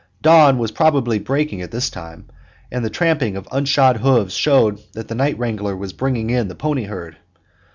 Dawn was probably breaking by this time, and the trampling of unshod hoofs showed that the night wrangler was bringing in the pony herd.